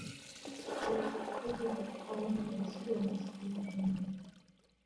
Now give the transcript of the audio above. He was educated at Palmer's Grammar School in England.